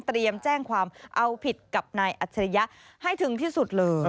แจ้งความเอาผิดกับนายอัจฉริยะให้ถึงที่สุดเลย